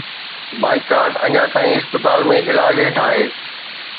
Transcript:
Boycott اڃا تائين اسپتال ۾ علاج هيٺ آهي.